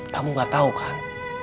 kamu gak tau kan